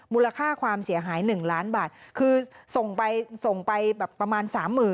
มูลค่าความเสียหาย๑ล้านบาทคือส่งไปประมาณ๓๐๐๐๐